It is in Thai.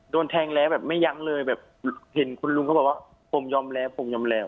โดนแทงแล้วแบบไม่ยั้งเลยแบบเห็นคุณลุงเขาบอกว่าผมยอมแล้วผมยอมแล้ว